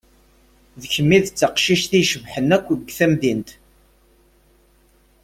D kemm i d taqcict i icebḥen akk g temdint.